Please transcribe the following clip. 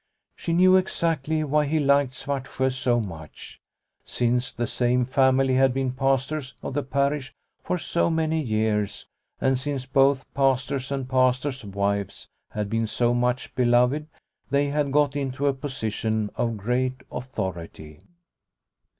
She knew exactly why he liked Svartsjo so much. Since the same family had been pastors of the parish for so many years, and since both Pastors and Pastors' wives had been so much beloved, they had got into a position of great authority.